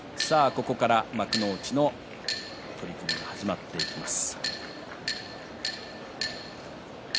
ここから幕内の取組が始まります。